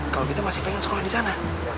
kalau kita masih pengen sekolah di sana